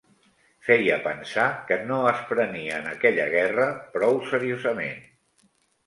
Feia pensar que no es prenien aquella guerra prou seriosament